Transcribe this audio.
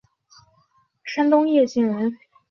山东掖县人。